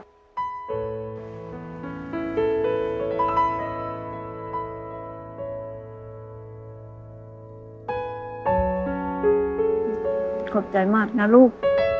ขอบใจมากนะลูก